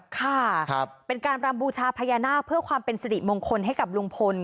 ค่ะเป็นการรำบูชาพญานาคเพื่อความเป็นสิริมงคลให้กับลุงพล